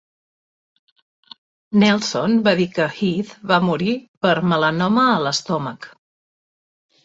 Nelson va dir que Heath va morir per melanoma a l'estómac.